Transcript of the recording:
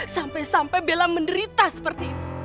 sampai sampai bela menderita seperti itu